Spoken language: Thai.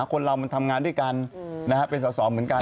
คนเรามันทำงานด้วยกันเป็นสอสอเหมือนกัน